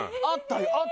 あったよ！